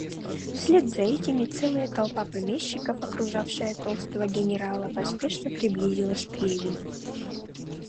Вслед за этими целая толпа помещиков, окружавшая толстого генерала, поспешно приблизилась к Левину.